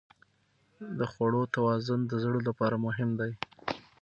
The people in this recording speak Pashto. د خوړو توازن د زړه لپاره مهم دی.